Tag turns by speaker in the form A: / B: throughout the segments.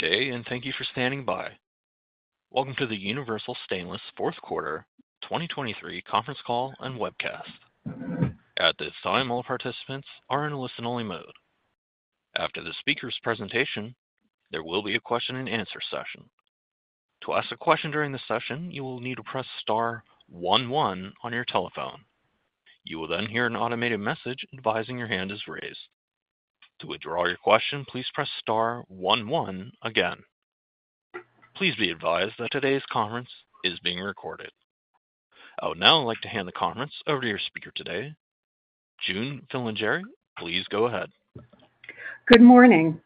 A: Good day, and thank you for standing by. Welcome to the Universal Stainless Fourth Quarter 2023 Conference Call and Webcast. At this time, all participants are in listen-only mode. After the speaker's presentation, there will be a question-and-answer session. To ask a question during the session, you will need to press star one one on your telephone. You will then hear an automated message advising your hand is raised. To withdraw your question, please press star one one again. Please be advised that today's conference is being recorded. I would now like to hand the conference over to your speaker today, June Filingeri. Please go ahead.
B: Good morning.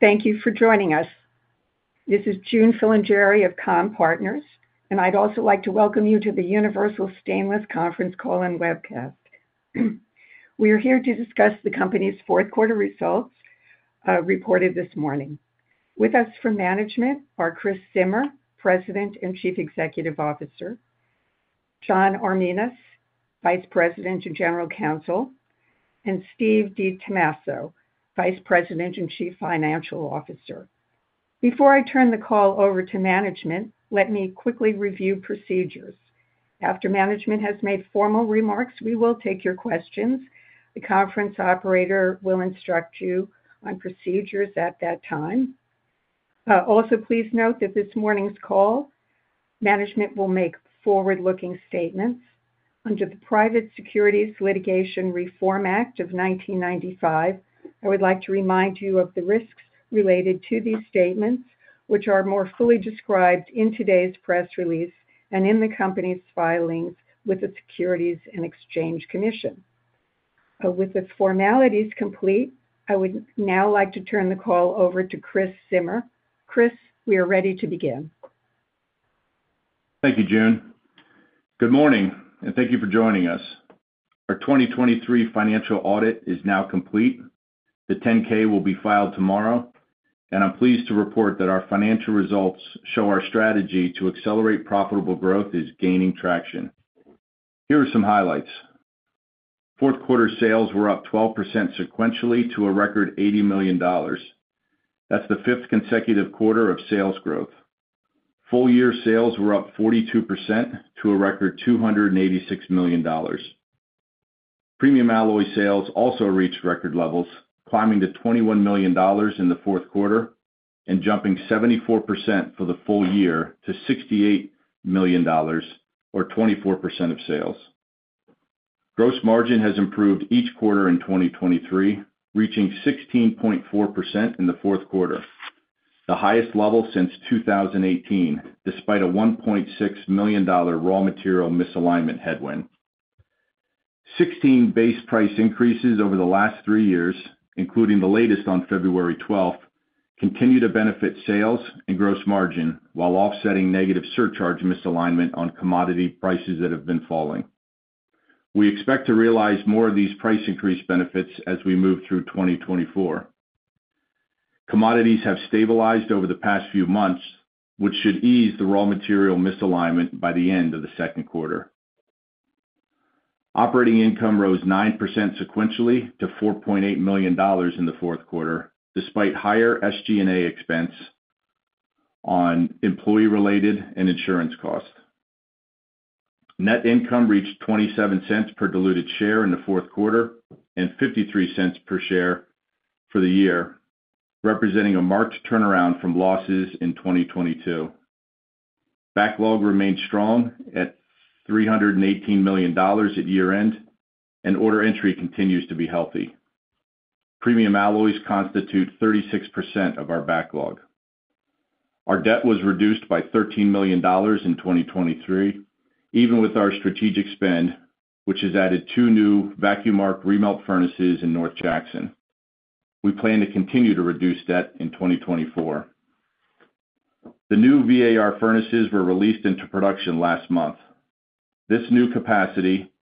B: Thank you for joining us. This is June Filingeri of Comm-Partners, and I'd also like to welcome you to the Universal Stainless Conference Call and Webcast. We are here to discuss the company's fourth quarter results, reported this morning. With us from management are Chris Zimmer, President and Chief Executive Officer, John Arminas, Vice President and General Counsel, and Steve DiTomasso, Vice President and Chief Financial Officer. Before I turn the call over to management, let me quickly review procedures. After management has made formal remarks, we will take your questions. The conference operator will instruct you on procedures at that time. Also, please note that this morning's call, management will make forward-looking statements. Under the Private Securities Litigation Reform Act of 1995, I would like to remind you of the risks related to these statements, which are more fully described in today's press release and in the company's filings with the Securities and Exchange Commission. With the formalities complete, I would now like to turn the call over to Chris Zimmer. Chris, we are ready to begin.
C: Thank you, June. Good morning, and thank you for joining us. Our 2023 financial audit is now complete. The 10-K will be filed tomorrow, and I'm pleased to report that our financial results show our strategy to accelerate profitable growth is gaining traction. Here are some highlights. Fourth quarter sales were up 12% sequentially to a record $80 million. That's the fifth consecutive quarter of sales growth. Full year sales were up 42% to a record $286 million. Premium alloy sales also reached record levels, climbing to $21 million in the fourth quarter and jumping 74% for the full year to $68 million, or 24% of sales. Gross margin has improved each quarter in 2023, reaching 16.4% in the fourth quarter, the highest level since 2018, despite a $1.6 million raw material misalignment headwind. 16 base price increases over the last three years, including the latest on February 12, continue to benefit sales and gross margin while offsetting negative surcharge misalignment on commodity prices that have been falling. We expect to realize more of these price increase benefits as we move through 2024. Commodities have stabilized over the past few months, which should ease the raw material misalignment by the end of the second quarter. Operating income rose 9% sequentially to $4.8 million in the fourth quarter, despite higher SG&A expense on employee-related and insurance costs. Net income reached $0.27 per diluted share in the fourth quarter and $0.53 per share for the year, representing a marked turnaround from losses in 2022. Backlog remains strong at $318 million at year-end, and order entry continues to be healthy. Premium alloys constitute 36% of our backlog. Our debt was reduced by $13 million in 2023, even with our strategic spend, which has added two new vacuum arc remelt furnaces in North Jackson. We plan to continue to reduce debt in 2024. The new VAR furnaces were released into production last month. This new capacity,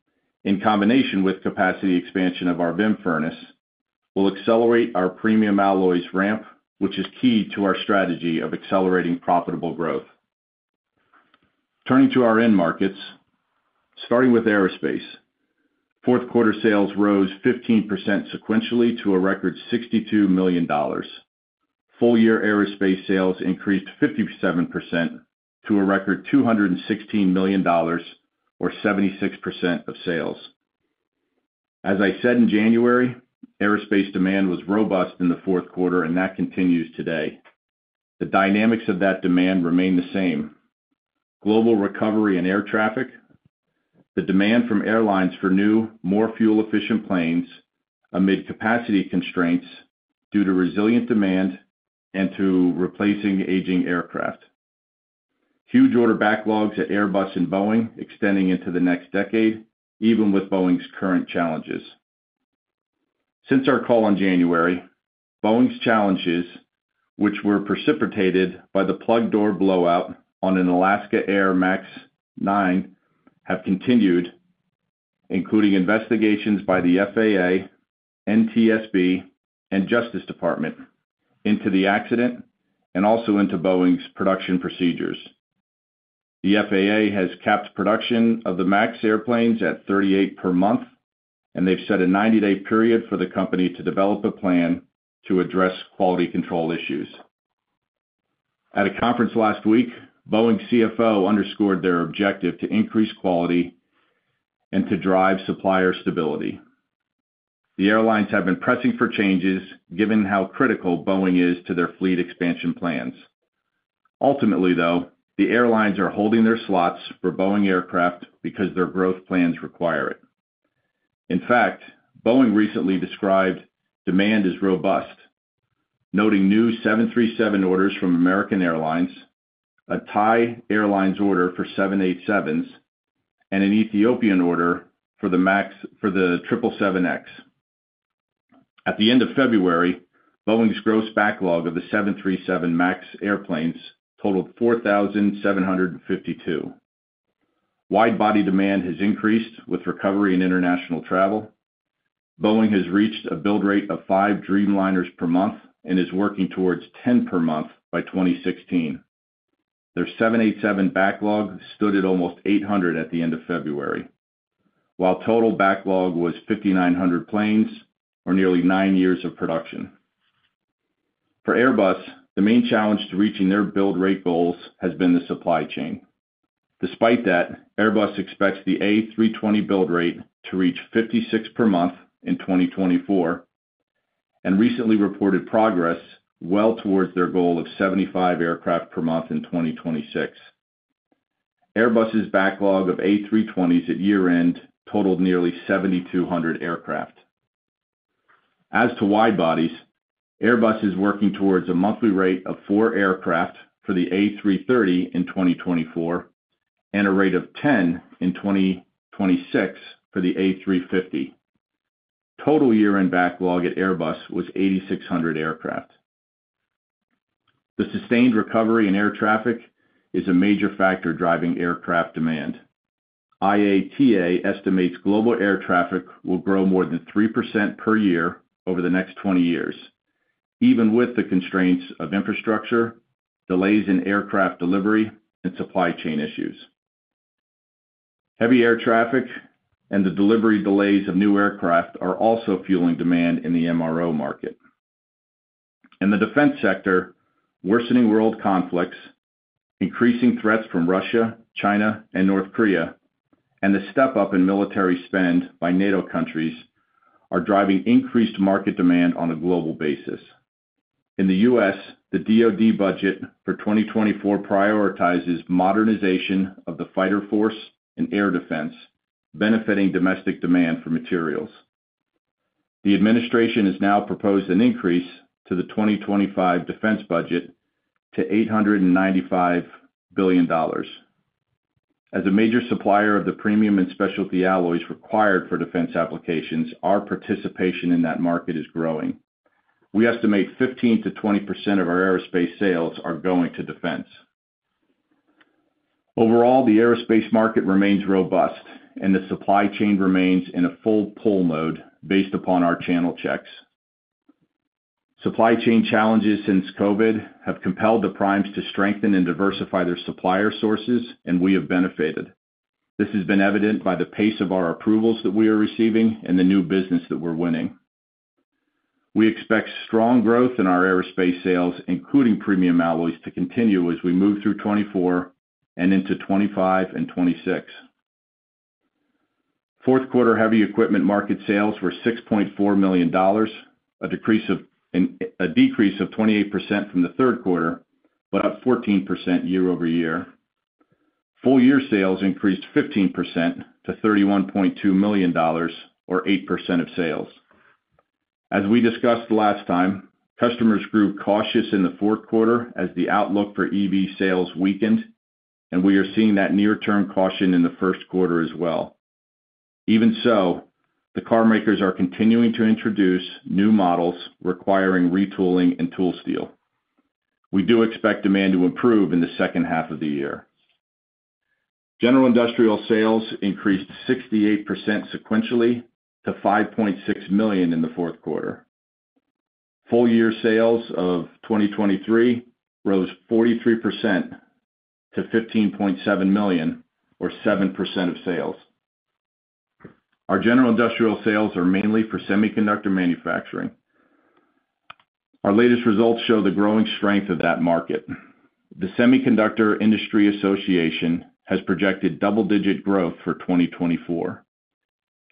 C: in combination with capacity expansion of our VIM furnace, will accelerate our premium alloys ramp, which is key to our strategy of accelerating profitable growth. Turning to our end markets, starting with aerospace. Fourth quarter sales rose 15% sequentially to a record $62 million. Full-year aerospace sales increased 57% to a record $216 million or 76% of sales. As I said in January, aerospace demand was robust in the fourth quarter, and that continues today. The dynamics of that demand remain the same. Global recovery in air traffic, the demand from airlines for new, more fuel-efficient planes amid capacity constraints due to resilient demand and to replacing aging aircraft. Huge order backlogs at Airbus and Boeing extending into the next decade, even with Boeing's current challenges. Since our call in January, Boeing's challenges, which were precipitated by the plug door blowout on an Alaska Airlines MAX 9, have continued, including investigations by the FAA, NTSB, and Justice Department into the accident and also into Boeing's production procedures. The FAA has capped production of the MAX airplanes at 38 per month, and they've set a 90-day period for the company to develop a plan to address quality control issues. At a conference last week, Boeing's CFO underscored their objective to increase quality and to drive supplier stability. The airlines have been pressing for changes, given how critical Boeing is to their fleet expansion plans. Ultimately, though, the airlines are holding their slots for Boeing aircraft because their growth plans require it. In fact, Boeing recently described demand as robust, noting new 737 orders from American Airlines, a Thai Airlines order for 787s, and an Ethiopian order for the MAX, for the 777X. At the end of February, Boeing's gross backlog of the 737 MAX airplanes totaled 4,752. Widebody demand has increased with recovery in international travel. Boeing has reached a build rate of 5 Dreamliners per month and is working towards 10 per month by 2016. Their 787 backlog stood at almost 800 at the end of February, while total backlog was 5,900 planes or nearly nine years of production. For Airbus, the main challenge to reaching their build rate goals has been the supply chain. Despite that, Airbus expects the A320 build rate to reach 56 per month in 2024, and recently reported progress well towards their goal of 75 aircraft per month in 2026. Airbus's backlog of A320s at year-end totaled nearly 7,200 aircraft. As to widebodies, Airbus is working towards a monthly rate of four aircraft for the A330 in 2024, and a rate of 10 in 2026 for the A350. Total year-end backlog at Airbus was 8,600 aircraft. The sustained recovery in air traffic is a major factor driving aircraft demand. IATA estimates global air traffic will grow more than 3% per year over the next 20 years, even with the constraints of infrastructure, delays in aircraft delivery, and supply chain issues. Heavy air traffic and the delivery delays of new aircraft are also fueling demand in the MRO market. In the defense sector, worsening world conflicts, increasing threats from Russia, China, and North Korea, and the step-up in military spend by NATO countries are driving increased market demand on a global basis. In the U.S., the DoD budget for 2024 prioritizes modernization of the fighter force and air defense, benefiting domestic demand for materials. The administration has now proposed an increase to the 2025 defense budget to $895 billion. As a major supplier of the premium and specialty alloys required for defense applications, our participation in that market is growing. We estimate 15%-20% of our aerospace sales are going to defense. Overall, the aerospace market remains robust, and the supply chain remains in a full pull mode based upon our channel checks. Supply chain challenges since COVID have compelled the primes to strengthen and diversify their supplier sources, and we have benefited. This has been evident by the pace of our approvals that we are receiving and the new business that we're winning. We expect strong growth in our aerospace sales, including premium alloys, to continue as we move through 2024 and into 2025 and 2026. Fourth quarter heavy equipment market sales were $6.4 million, a decrease of 28% from the third quarter, but up 14% year-over-year. Full-year sales increased 15% to $31.2 million or 8% of sales. As we discussed last time, customers grew cautious in the fourth quarter as the outlook for EV sales weakened, and we are seeing that near-term caution in the first quarter as well. Even so, the car makers are continuing to introduce new models requiring retooling and tool steel. We do expect demand to improve in the second half of the year. General industrial sales increased 68% sequentially to $5.6 million in the fourth quarter. Full-year sales of 2023 rose 43% to $15.7 million, or 7% of sales. Our general industrial sales are mainly for semiconductor manufacturing. Our latest results show the growing strength of that market. The Semiconductor Industry Association has projected double-digit growth for 2024.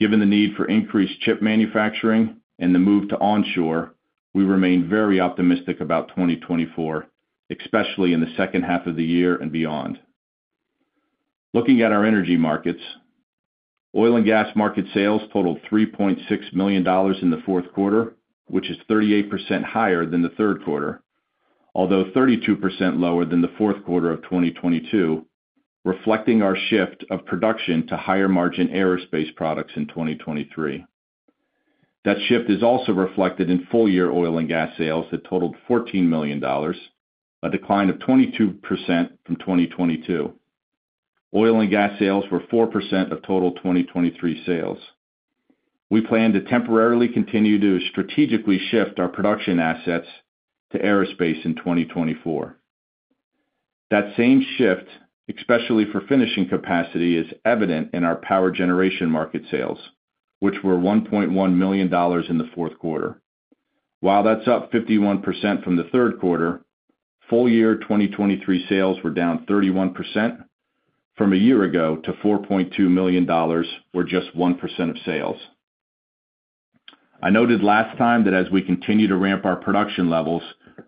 C: Given the need for increased chip manufacturing and the move to onshore, we remain very optimistic about 2024, especially in the second half of the year and beyond. Looking at our energy markets, oil and gas market sales totaled $3.6 million in the fourth quarter, which is 38% higher than the third quarter, although 32% lower than the fourth quarter of 2022, reflecting our shift of production to higher-margin aerospace products in 2023. That shift is also reflected in full-year oil and gas sales that totaled $14 million, a decline of 22% from 2022. Oil and gas sales were 4% of total 2023 sales. We plan to temporarily continue to strategically shift our production assets to aerospace in 2024. That same shift, especially for finishing capacity, is evident in our power generation market sales, which were $1.1 million in the fourth quarter. While that's up 51% from the third quarter, full year 2023 sales were down 31% from a year ago to $4.2 million, or just 1% of sales. I noted last time that as we continue to ramp our production levels,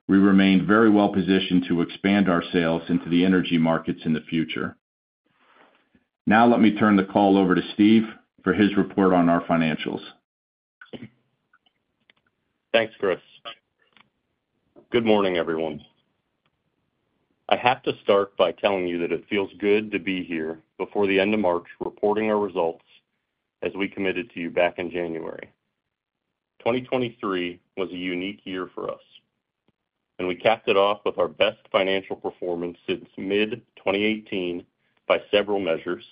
C: we remain very well positioned to expand our sales into the energy markets in the future. Now, let me turn the call over to Steve for his report on our financials.
D: Thanks, Chris. Good morning, everyone. I have to start by telling you that it feels good to be here before the end of March, reporting our results as we committed to you back in January. 2023 was a unique year for us, and we capped it off with our best financial performance since mid-2018 by several measures,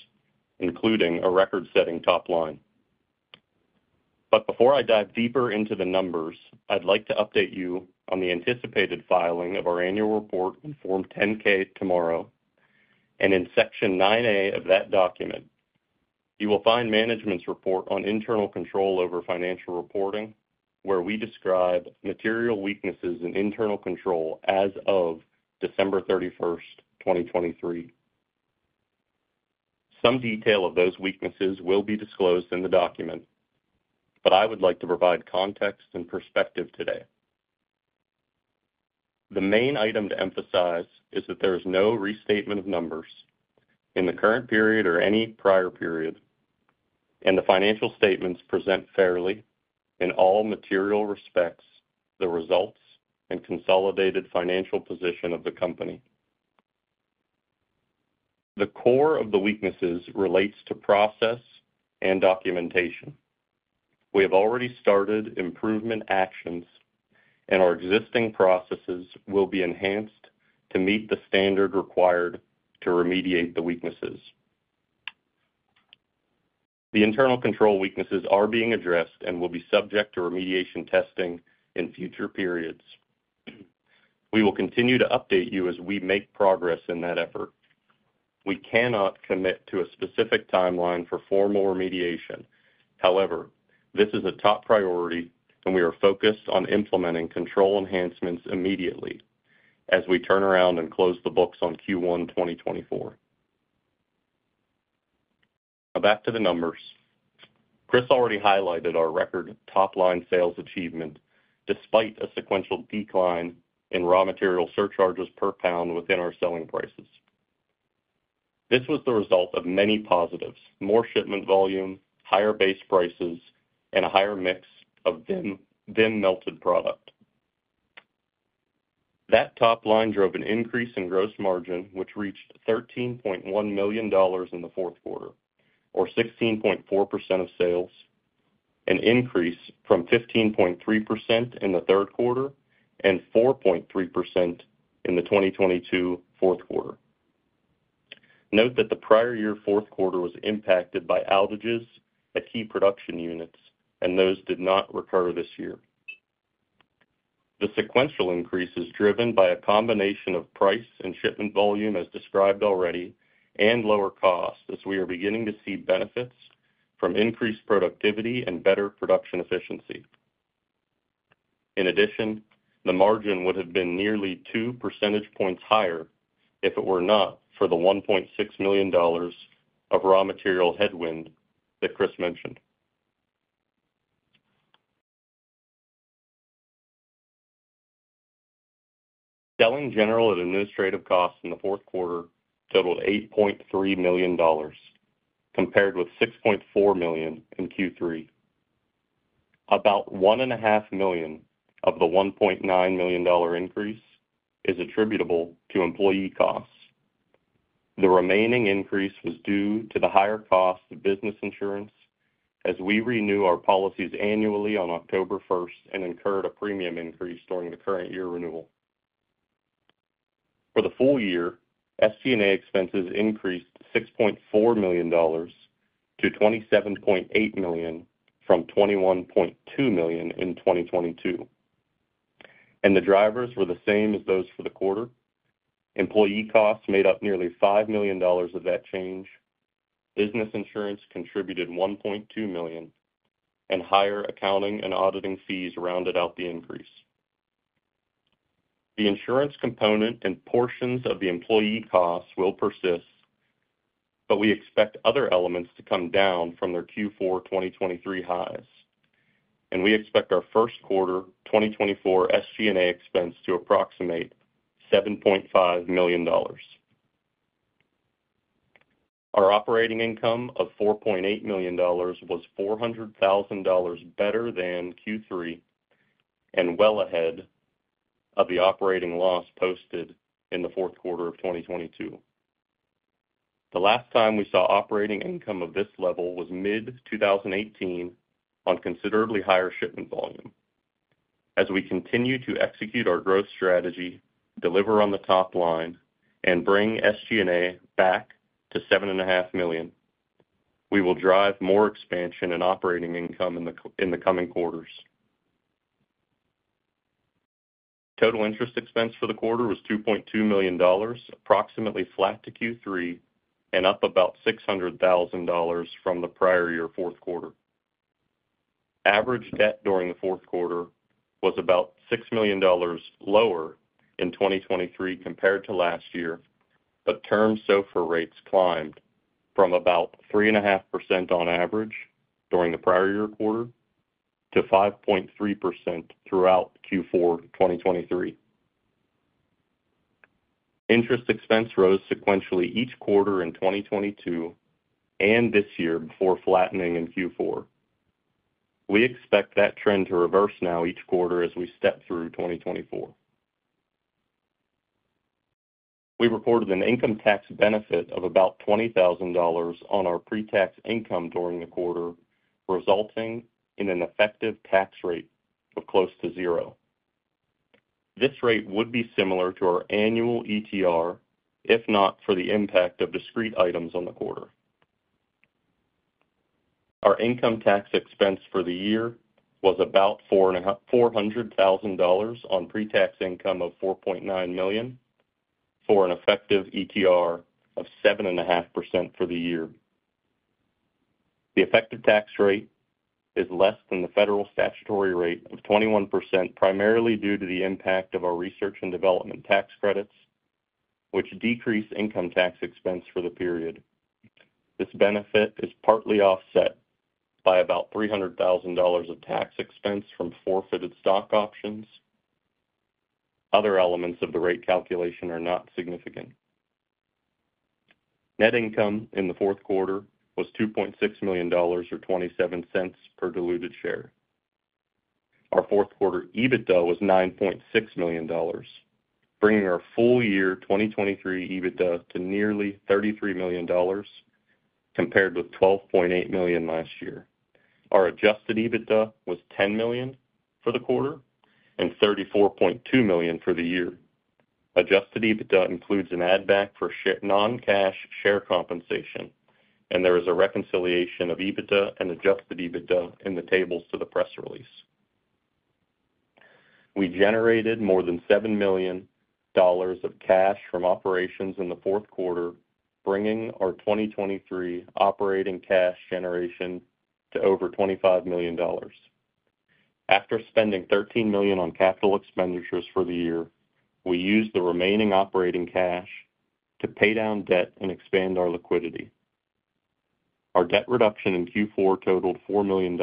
D: including a record-setting top line. Before I dive deeper into the numbers, I'd like to update you on the anticipated filing of our annual report in Form 10-K tomorrow, and in Section 9A of that document, you will find management's report on internal control over financial reporting, where we describe material weaknesses in internal control as of December 31, 2023. Some detail of those weaknesses will be disclosed in the document, but I would like to provide context and perspective today. The main item to emphasize is that there is no restatement of numbers in the current period or any prior period, and the financial statements present fairly in all material respects, the results and consolidated financial position of the company. The core of the weaknesses relates to process and documentation. We have already started improvement actions, and our existing processes will be enhanced to meet the standard required to remediate the weaknesses. The internal control weaknesses are being addressed and will be subject to remediation testing in future periods. We will continue to update you as we make progress in that effort. We cannot commit to a specific timeline for formal remediation. However, this is a top priority, and we are focused on implementing control enhancements immediately as we turn around and close the books on Q1 2024. Now back to the numbers. Chris already highlighted our record top-line sales achievement, despite a sequential decline in raw material surcharges per pound within our selling prices. This was the result of many positives: more shipment volume, higher base prices, and a higher mix of VIM-VAR melted product. That top line drove an increase in gross margin, which reached $13.1 million in the fourth quarter, or 16.4% of sales, an increase from 15.3% in the third quarter and 4.3% in the 2022 fourth quarter. Note that the prior year fourth quarter was impacted by outages at key production units, and those did not recur this year. The sequential increase is driven by a combination of price and shipment volume, as described already, and lower costs, as we are beginning to see benefits from increased productivity and better production efficiency. In addition, the margin would have been nearly two percentage points higher if it were not for the $1.6 million of raw material headwind that Chris mentioned. Selling, general, and administrative costs in the fourth quarter totaled $8.3 million, compared with $6.4 million in Q3. About $1.5 million of the $1.9 million increase is attributable to employee costs. The remaining increase was due to the higher cost of business insurance as we renew our policies annually on October first and incurred a premium increase during the current year renewal. For the full year, SG&A expenses increased $6.4 million to $27.8 million from $21.2 million in 2022, and the drivers were the same as those for the quarter. Employee costs made up nearly $5 million of that change, business insurance contributed $1.2 million, and higher accounting and auditing fees rounded out the increase. The insurance component and portions of the employee costs will persist, but we expect other elements to come down from their Q4 2023 highs, and we expect our first quarter 2024 SG&A expense to approximate $7.5 million. Our operating income of $4.8 million was $400,000 better than Q3 and well ahead of the operating loss posted in the fourth quarter of 2022. The last time we saw operating income of this level was mid-2018 on considerably higher shipment volume. As we continue to execute our growth strategy, deliver on the top line, and bring SG&A back to $7.5 million, we will drive more expansion in operating income in the coming quarters. Total interest expense for the quarter was $2.2 million, approximately flat to Q3 and up about $600,000 from the prior year fourth quarter. Average debt during the fourth quarter was about $6 million lower in 2023 compared to last year, but term SOFR rates climbed from about 3.5% on average during the prior year quarter to 5.3% throughout Q4 2023. Interest expense rose sequentially each quarter in 2022 and this year before flattening in Q4. We expect that trend to reverse now each quarter as we step through 2024. We reported an income tax benefit of about $20,000 on our pretax income during the quarter, resulting in an effective tax rate of close to zero. This rate would be similar to our annual ETR, if not for the impact of discrete items on the quarter. Our income tax expense for the year was about $400,000 on pretax income of $4.9 million, for an effective ETR of 7.5% for the year. The effective tax rate is less than the federal statutory rate of 21%, primarily due to the impact of our research and development tax credits, which decrease income tax expense for the period. This benefit is partly offset by about $300,000 of tax expense from forfeited stock options. Other elements of the rate calculation are not significant. Net income in the fourth quarter was $2.6 million or $0.27 per diluted share. Our fourth quarter EBITDA was $9.6 million, bringing our full year 2023 EBITDA to nearly $33 million, compared with $12.8 million last year. Our adjusted EBITDA was $10 million for the quarter and $34.2 million for the year. Adjusted EBITDA includes an add-back for non-cash share compensation, and there is a reconciliation of EBITDA and adjusted EBITDA in the tables to the press release. We generated more than $7 million of cash from operations in the fourth quarter, bringing our 2023 operating cash generation to over $25 million. After spending $13 million on capital expenditures for the year, we used the remaining operating cash to pay down debt and expand our liquidity. Our debt reduction in Q4 totaled $4 million,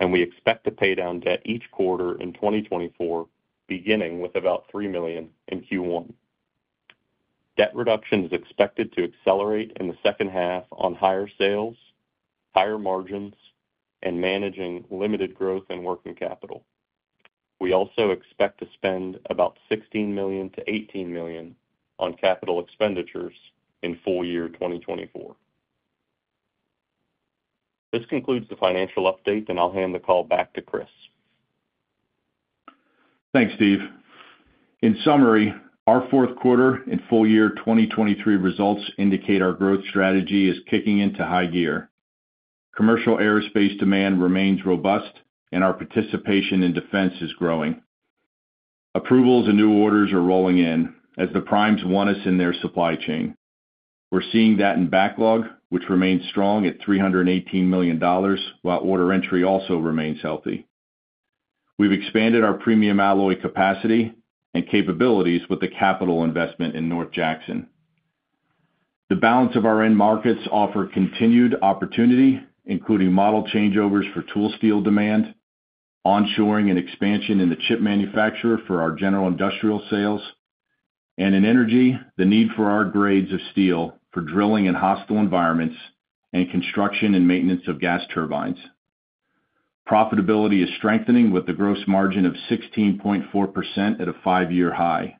D: and we expect to pay down debt each quarter in 2024, beginning with about $3 million in Q1. Debt reduction is expected to accelerate in the second half on higher sales, higher margins, and managing limited growth in working capital. We also expect to spend about $16 million-$18 million on capital expenditures in full year 2024. This concludes the financial update, and I'll hand the call back to Chris.
C: Thanks, Steve. In summary, our fourth quarter and full year 2023 results indicate our growth strategy is kicking into high gear. Commercial aerospace demand remains robust, and our participation in defense is growing. Approvals and new orders are rolling in as the primes want us in their supply chain. We're seeing that in backlog, which remains strong at $318 million, while order entry also remains healthy. We've expanded our premium alloy capacity and capabilities with the capital investment in North Jackson. The balance of our end markets offer continued opportunity, including model changeovers for tool steel demand, onshoring and expansion in the chip manufacturer for our general industrial sales, and in energy, the need for our grades of steel for drilling in hostile environments and construction and maintenance of gas turbines. Profitability is strengthening with a gross margin of 16.4% at a five-year high.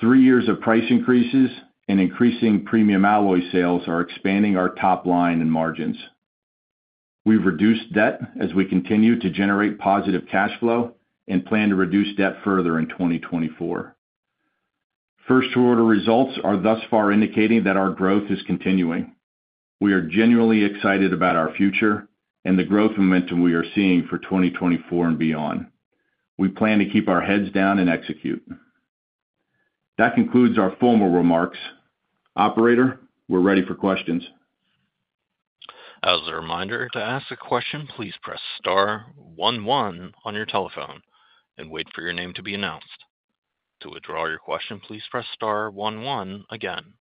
C: Three years of price increases and increasing premium alloy sales are expanding our top line and margins. We've reduced debt as we continue to generate positive cash flow and plan to reduce debt further in 2024. First quarter results are thus far indicating that our growth is continuing. We are genuinely excited about our future and the growth momentum we are seeing for 2024 and beyond. We plan to keep our heads down and execute. That concludes our formal remarks. Operator, we're ready for questions.
A: As a reminder, to ask a question, please press star one one on your telephone and wait for your name to be announced. To withdraw your question, please press star one one again.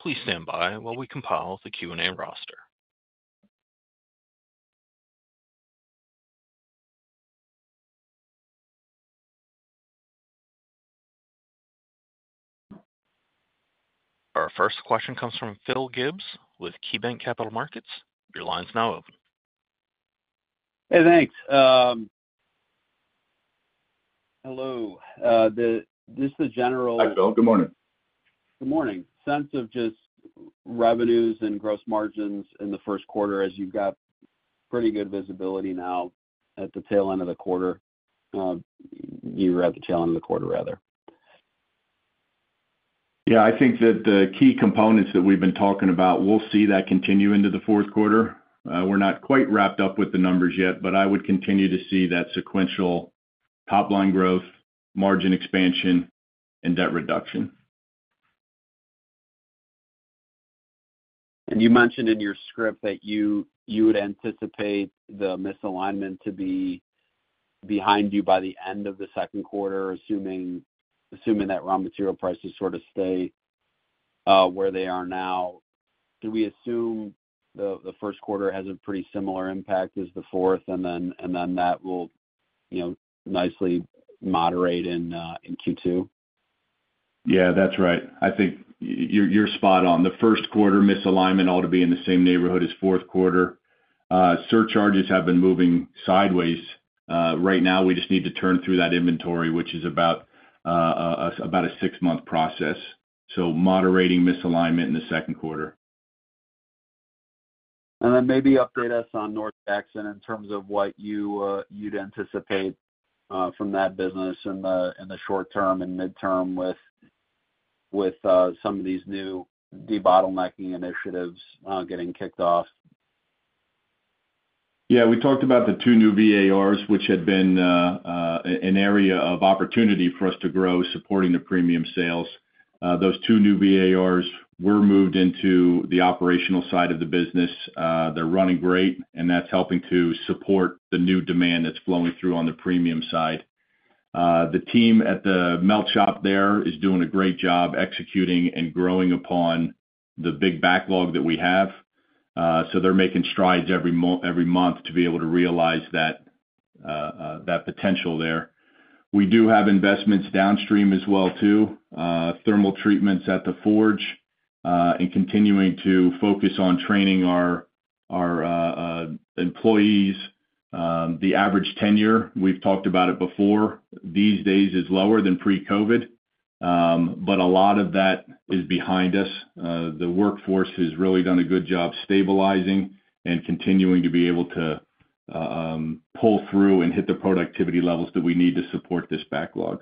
A: Please stand by while we compile the Q&A roster. Our first question comes from Phil Gibbs with KeyBanc Capital Markets. Your line's now open.
E: Hey, thanks. Hello. The general.
C: Hi, Phil. Good morning.
E: Good morning. Sense of just revenues and gross margins in the first quarter as you've got pretty good visibility now at the tail end of the quarter, you're at the tail end of the quarter, rather.
C: Yeah, I think that the key components that we've been talking about, we'll see that continue into the fourth quarter. We're not quite wrapped up with the numbers yet, but I would continue to see that sequential top line growth, margin expansion, and debt reduction.
E: You mentioned in your script that you would anticipate the misalignment to be behind you by the end of the second quarter, assuming that raw material prices sort of stay where they are now. Do we assume the first quarter has a pretty similar impact as the fourth, and then that will, you know, nicely moderate in Q2?
C: Yeah, that's right. I think you're spot on. The first quarter misalignment ought to be in the same neighborhood as fourth quarter. Surcharges have been moving sideways. Right now, we just need to turn through that inventory, which is about a six-month process. So moderating misalignment in the second quarter.
E: And then maybe update us on North Jackson in terms of what you you'd anticipate from that business in the short term and midterm with some of these new debottlenecking initiatives getting kicked off?
C: Yeah, we talked about the two new VARs, which had been an area of opportunity for us to grow, supporting the premium sales. Those two new VARs were moved into the operational side of the business. They're running great, and that's helping to support the new demand that's flowing through on the premium side. The team at the melt shop there is doing a great job executing and growing upon the big backlog that we have. So they're making strides every month to be able to realize that potential there. We do have investments downstream as well, too. Thermal treatments at the forge, and continuing to focus on training our employees. The average tenure, we've talked about it before, these days is lower than pre-COVID, but a lot of that is behind us. The workforce has really done a good job stabilizing and continuing to be able to pull through and hit the productivity levels that we need to support this backlog.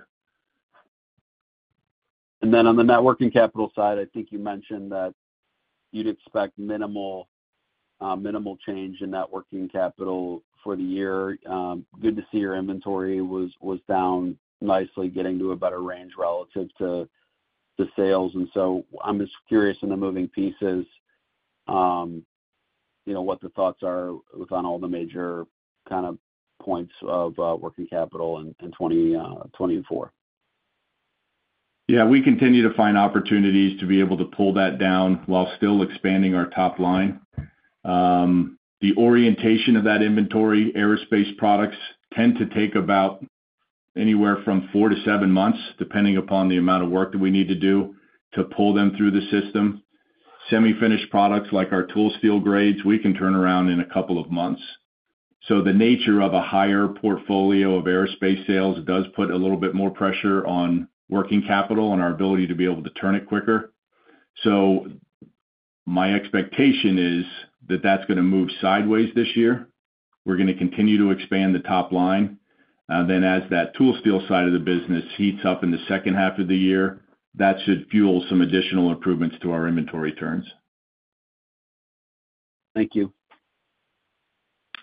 E: Then on the net working capital side, I think you mentioned that you'd expect minimal change in net working capital for the year. Good to see your inventory was down nicely, getting to a better range relative to the sales. So I'm just curious, in the moving pieces, you know, what the thoughts are on all the major kind of points of working capital in 2024.
C: Yeah, we continue to find opportunities to be able to pull that down while still expanding our top line. The orientation of that inventory, aerospace products, tend to take about anywhere from four to seven months, depending upon the amount of work that we need to do to pull them through the system. Semi-finished products, like our tool steel grades, we can turn around in a couple of months. So the nature of a higher portfolio of aerospace sales does put a little bit more pressure on working capital and our ability to be able to turn it quicker. So my expectation is that that's gonna move sideways this year. We're gonna continue to expand the top line. Then as that tool steel side of the business heats up in the second half of the year, that should fuel some additional improvements to our inventory turns.
E: Thank you.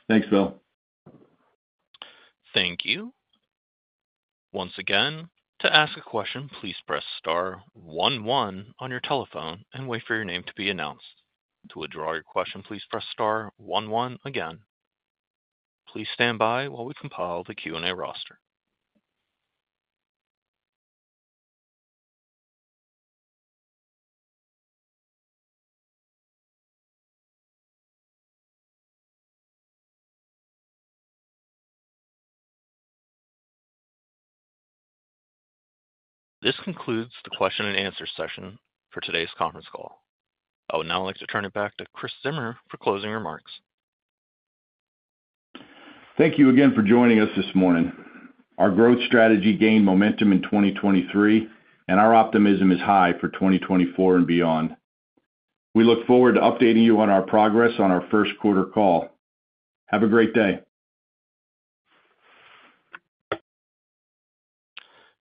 C: Thanks, Phil.
A: Thank you. Once again, to ask a question, please press star one one on your telephone and wait for your name to be announced. To withdraw your question, please press star one one again. Please stand by while we compile the Q&A roster. This concludes the question and answer session for today's conference call. I would now like to turn it back to Chris Zimmer for closing remarks.
C: Thank you again for joining us this morning. Our growth strategy gained momentum in 2023, and our optimism is high for 2024 and beyond. We look forward to updating you on our progress on our first quarter call. Have a great day.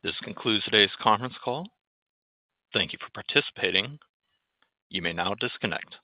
A: This concludes today's conference call. Thank you for participating. You may now disconnect.